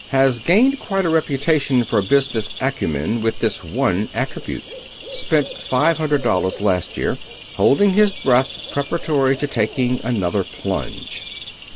Has gained quite a reputation for business acumen with this one attribute. Spent $500 last year. Holding his breath preparatory to taking another plunge.